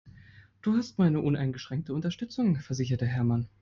Du hast meine uneingeschränkte Unterstützung, versicherte Hermann.